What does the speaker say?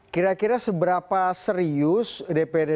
kira kira seberapa serius dpd dki jakarta